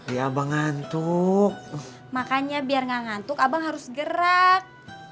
ya abang ngantuk makanya biar gak ngantuk abang harus gerak